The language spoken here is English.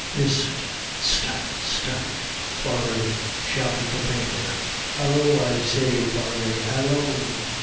"Hist! st! st! Poiret," shouted the painter. "Hallo! I say, Poiret, hallo!"